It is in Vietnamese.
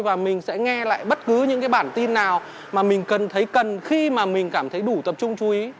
và mình sẽ nghe lại bất cứ những cái bản tin nào mà mình cần thấy cần khi mà mình cảm thấy đủ tập trung chú ý